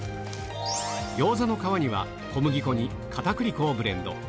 餃子の皮には、小麦粉にかたくり粉をブレンド。